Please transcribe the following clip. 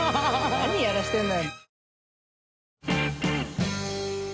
何やらしてんだよ。